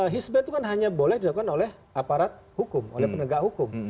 hizbah itu kan hanya boleh dilakukan oleh aparat hukum oleh penegak hukum